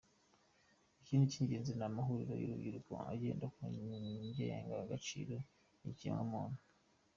Ikindi cy’Ingenzi ni amahuriro y’urubyiruko agendera ku ndangagaciro z’ikiremwamuntu.